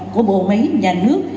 của bộ máy nhà nước